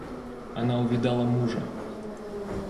Она увидала мужа.